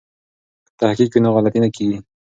که تحقیق وي نو غلطي نه کیږي.